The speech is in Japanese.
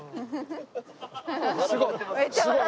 すごい！